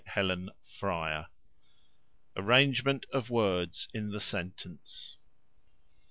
ARRANGEMENT OF WORDS IN THE SENTENCE.